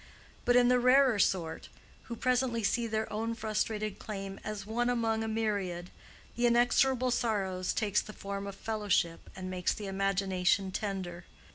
But in the rarer sort, who presently see their own frustrated claim as one among a myriad, the inexorable sorrow takes the form of fellowship and makes the imagination tender.